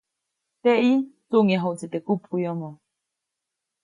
Teʼyi, tsuʼŋyajuʼtsi teʼ kupkuʼyomoʼ.